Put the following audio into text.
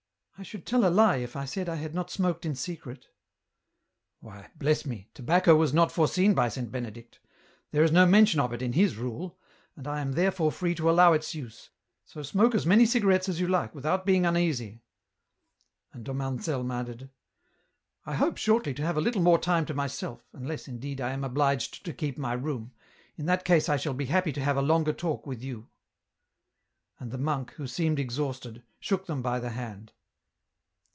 " "I should tell a lie if I said I had not smoked in secret." EN ROUTE. 217 " Why, bless me, tobacco was not foreseen by St. Benedict ; there is no mention of it in his rule, and I am therefore free to allow its use ; so smoke as many cigarettes as you like without being uneasy." And Dom Anselm added :" I hope shortly to have a little more time to myself, unless, indeed, I am obliged to keep my room, in that case I shall be happy to have a longer talk with you." And the monk, who seemed exhausted, shook them by the hand.